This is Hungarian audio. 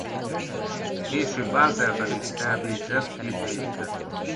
Később Bázelben is elvégzett két félévet.